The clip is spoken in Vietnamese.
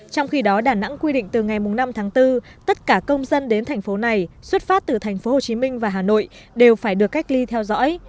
trong khi đó đà nẵng quy định từ ngày năm tháng bốn tất cả công dân đến thành phố này xuất phát từ tp hcm và hà nội đều phải được cách ly theo dõi